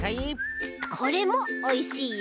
これもおいしいよ。